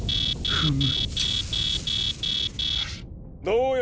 フム！